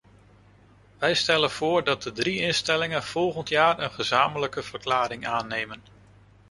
Wij stellen voor dat de drie instellingen volgend jaar een gezamenlijke verklaring aannemen.